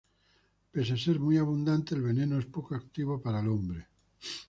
Pese a ser muy abundante, el veneno es poco activo para el hombre.